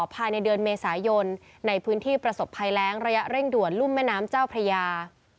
ภายในเดือนเมษายนในพื้นที่ประสบภัยแรงระยะเร่งด่วนรุ่มแม่น้ำเจ้าพระยา